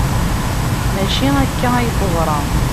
Maci akka ay teḍra.